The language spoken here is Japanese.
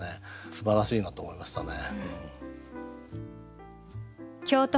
すばらしいなと思いましたね。